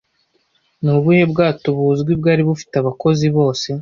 Nubuhe bwato buzwi bwari bufite abakozi bose